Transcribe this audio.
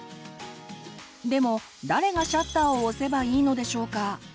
でも誰がシャッターを押せばいいのでしょうか？